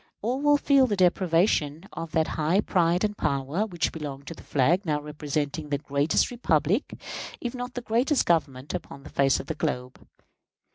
All will feel the deprivation of that high pride and power which belong to the flag now representing the greatest republic, if not the greatest Government, upon the face of the globe.